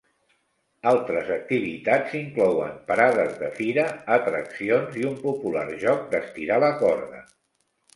Altres activitats inclouen parades de fira, atraccions i un popular joc d'estirar la corda.